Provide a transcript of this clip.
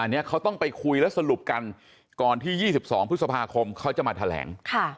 อันเนี้ยเขาต้องไปคุยแล้วสรุปกันก่อนที่ยี่สิบสองพฤษภาคมเขาจะมาแถลงค่ะ